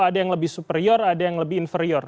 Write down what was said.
ada yang lebih superior ada yang lebih inferior